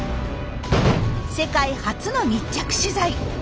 世界初の密着取材。